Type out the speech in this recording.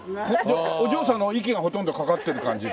お嬢さんの息がほとんどかかってる感じで。